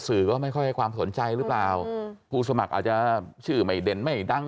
ก็ไม่ค่อยให้ความสนใจหรือเปล่าผู้สมัครอาจจะชื่อไม่เด่นไม่ดัง